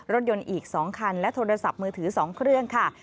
รถยนต์อีก๒คันและโทรศัพท์มือถือ๒เครื่องค่ะ